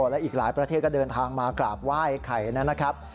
และอีกหลายประเทศก็เดินทางมากราบไหว้ไข่นะครับ